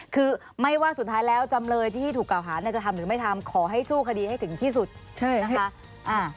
คือไม่ว่าสุดท้ายแล้วจำเลยที่ถูกกล่าวหาจะทำหรือไม่ทำขอให้สู้คดีให้ถึงที่สุดนะคะ